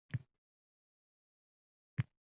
Hayotda ham shunaqa-ku aslida.